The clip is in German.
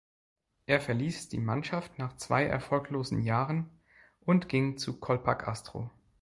Er verließ die Mannschaft nach zwei erfolglosen Jahren und ging zu Colpack-Astro.